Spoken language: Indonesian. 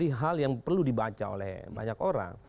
ini hal yang perlu dibaca oleh banyak orang